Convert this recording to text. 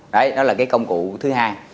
đấy đó là cái công cụ thứ hai